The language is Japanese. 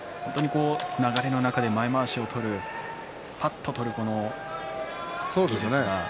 流れの中で前まわしをぱっと取る技術が。